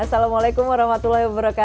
assalamualaikum wr wb